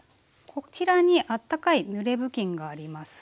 こちらにあったかいぬれ布巾があります。